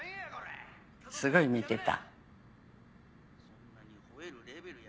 すごい見てた。